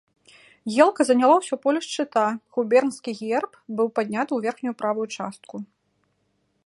Елка заняла ўсё поле шчыта, губернскі герб быў падняты ў верхнюю правую частку.